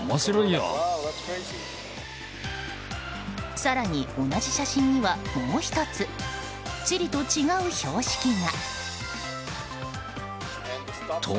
更に同じ写真にはもう１つ、チリと違う標識が。